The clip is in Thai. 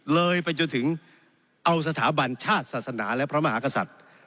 เลยไปจนถึงเอาสถาบันชาติศาสนาและพระมหากษัตริย์